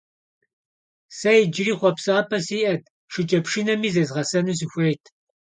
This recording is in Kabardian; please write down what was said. Сэ иджыри хъуапсапӀэ сиӀэт, шыкӀэпшынэми зезгъэсэну сыхуейт.